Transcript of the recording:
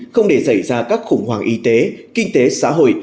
không để xảy ra các khủng hoảng y tế kinh tế xã hội